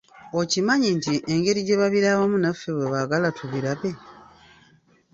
Okimanyi nti engeri gye babirabamu naffe bwe baagala tubirabe?